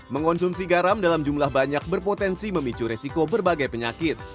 mengonsumsi garam dalam jumlah banyak berpotensi memicu resiko berbagai penyakit